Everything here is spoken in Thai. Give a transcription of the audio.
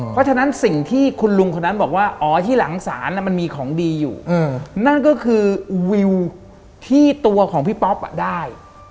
เพราะฉะนั้นสิ่งที่คุณลุงคนนั้นบอกว่าอ๋อที่หลังศาลมันมีของดีอยู่นั่นก็คือวิวที่ตัวของพี่ป๊อปได้